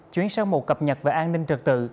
chuyển sang một cập nhật về an ninh trật tự